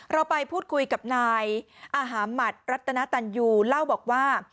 เราไปพูดคุยกับนายอาหาหมัดรัตนตันยูเล่าบอกว่า